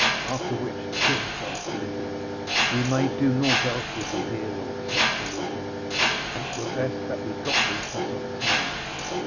After which the king felt easier. 'We may do naught else with thee here, lord,' said Sir Lucan, 'and it were best that we got thee to some town.'